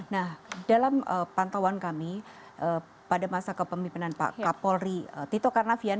nah dalam pantauan kami pada masa kepemimpinan pak kapolri tito karnavian